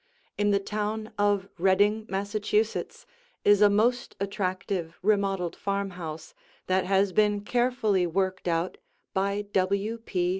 In the town of Reading, Massachusetts, is a most attractive remodeled farmhouse that has been carefully worked out by W. P.